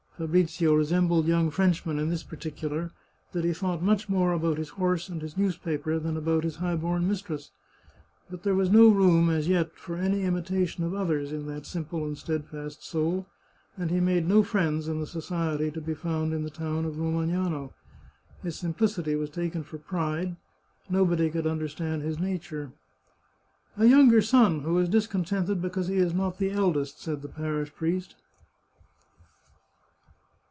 Fabrizio resembled young Frenchmen in this particular, that he thought much more about his horse and his newspaper than about his high born mistress. But there was no room, as yet, for any imitation of others in that simple and steadfast soul, and he made no friends in the society to be found in the town of Romagnano. His simplicity was taken for pride; nobody could understand his nature ;" a younger son, who is discontented because he is not the eldest," said the parish priest.